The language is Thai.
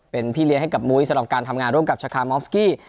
เป็นพี่เลี้ยงให้กับมุ้ยสำหรับการทำงานร่วมกับชาคามอฟสกี้